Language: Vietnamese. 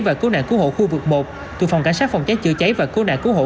và cứu nạn cứu hồ khu vực một tù phòng cảnh sát phòng cháy chữa cháy và cứu nạn cứu hồ